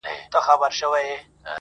چي د خلکو یې لوټ کړي وه مالونه!!